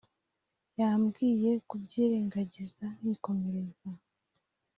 yambwiye kubyirengagiza nkikomereza